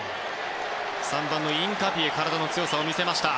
３番のインカピエが体の強さを見せました。